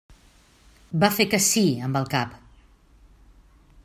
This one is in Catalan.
Va fer que sí amb el cap.